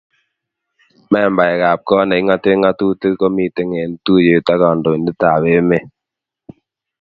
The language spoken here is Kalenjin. Membaekab koot neking'otee ng'atutiik komitei eng tuiyet ako kandoindetab emet.